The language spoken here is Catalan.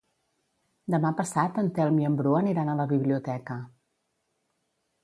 Demà passat en Telm i en Bru aniran a la biblioteca.